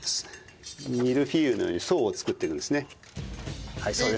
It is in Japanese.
ミルフィーユのように層を作ってるんですね。